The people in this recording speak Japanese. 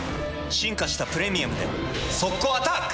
進化した「プレミアム」で速攻アタック！